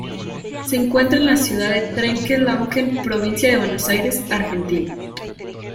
Se encuentra en la ciudad de Trenque Lauquen, provincia de Buenos Aires, Argentina.